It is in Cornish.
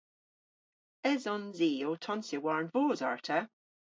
Esons i ow tonsya war'n voos arta?